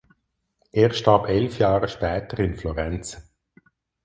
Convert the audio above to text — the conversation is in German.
Er starb elf Jahre später in Florenz.